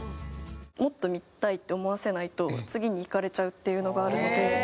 もっと見たいって思わせないと次にいかれちゃうっていうのがあるので。